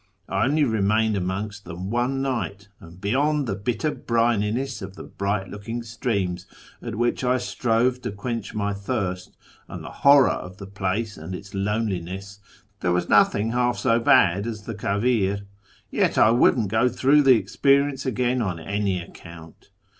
I only remained amongst them one night, and, beyond the bitter brininess of the bright looking streams at which I strove to quench my thirst, and the horror of the place and its loneliness, there was nothing half so bad as the havir, yet I wouldn't go through the experience again on any account.